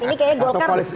ini kayaknya golkar